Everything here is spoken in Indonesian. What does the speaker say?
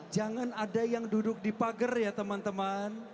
jangan ada yang duduk di pagar ya teman teman